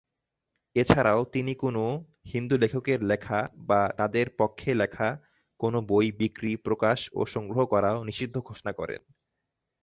এছাড়াও তিনি, কোন হিন্দু লেখকের লেখা বা তাদের পক্ষে লেখা কোন বই বিক্রি, প্রকাশ ও সংগ্রহ করাও নিষিদ্ধ ঘোষণা করেন।